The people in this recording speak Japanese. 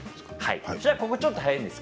ここがちょっと速いです。